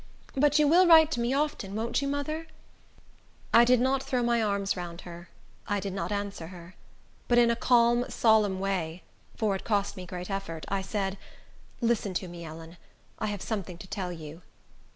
But you will write to me often; won't you, mother?" I did not throw my arms round her. I did not answer her. But in a calm, solemn way, for it cost me great effort, I said, "Listen to me, Ellen; I have something to tell you!"